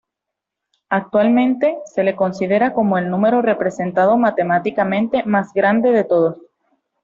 Actualmente, se le considera como el número representado matemáticamente más grande de todos.